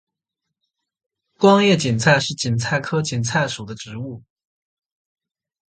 光叶堇菜是堇菜科堇菜属的植物。